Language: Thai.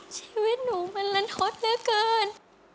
ชีวิตหนูมันลันทดเหลือเกิน